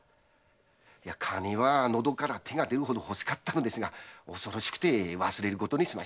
金は喉から手が出るほど欲しかったのですが恐ろしくて忘れることにしました。